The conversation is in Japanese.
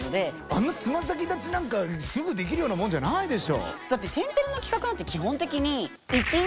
あんなつま先立ちなんかすぐできるようなもんじゃないでしょ。